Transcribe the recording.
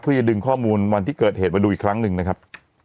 เพื่อจะดึงข้อมูลวันที่เกิดเหตุมาดูอีกครั้งหนึ่งนะครับ